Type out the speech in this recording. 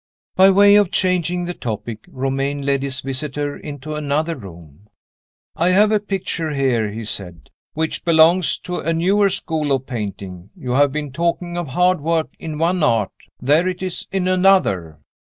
By way of changing the topic, Romayne led his visitor into another room. "I have a picture here," he said, "which belongs to a newer school of painting. You have been talking of hard work in one Art; there it is in another."